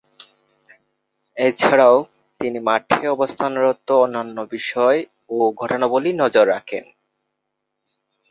এছাড়াও, তিনি মাঠে অবস্থানরত অন্যান্য বিষয় ও ঘটনাবলী নজর রাখেন।